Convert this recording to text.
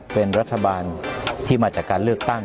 เป็นรัฐบาลที่มาจากการเลือกตั้ง